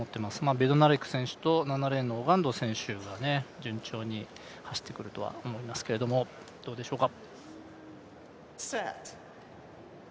ベドナレク選手と７レーンのオガンド選手が順調に走ってくるとは思いますけれどもどうでしょうか。